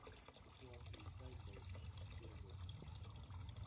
It was inspired by Plato.